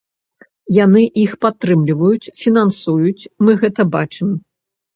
Яны іх падтрымліваюць, фінансуюць, мы гэта бачым.